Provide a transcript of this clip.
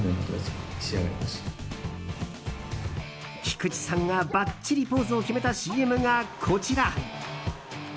菊池さんが、ばっちりポーズを決めたＣＭが、こちら。